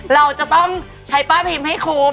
เราจะต้องใช้ป้าพิมพ์ให้คุ้ม